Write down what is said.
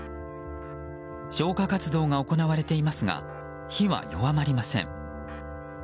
消火活動が行われていますが火は弱まりません。